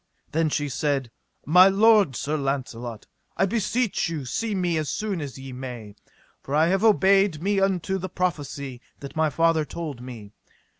Then she said: My lord Sir Launcelot, I beseech you see me as soon as ye may, for I have obeyed me unto the prophecy that my father told me.